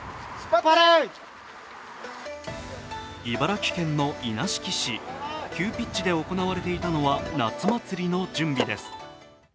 茨城県の稲敷市、急ピッチで行われていたのは夏祭りの準備です。